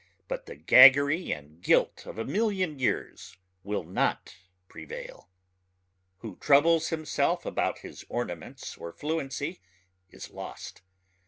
but the gaggery and gilt of a million years will not prevail. Who troubles himself about his ornaments or fluency is lost.